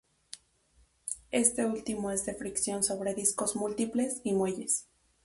Este último es de fricción sobre discos múltiples y muelles.